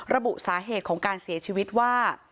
ระบุสาเหตุของการเสียชีวิตว่า